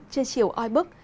trên chiều oi bức